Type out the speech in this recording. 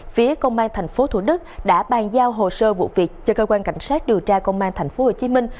phía công an thành phố thủ đức đã bàn giao hồ sơ vụ việc cho cơ quan cảnh sát điều tra công an thành phố hồ chí minh